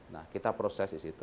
nah kita proses di situ